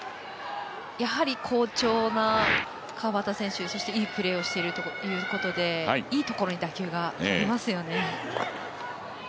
やはり好調な川畑選手そして、いいプレーをしているということで、いいところに打球が飛びますよね。